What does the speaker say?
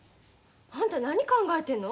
あんた何考えてんの？